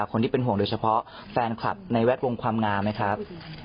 คนที่เป็นห่วงโดยเฉพาะแฟนคลับในแวดวงความงามไหมครับ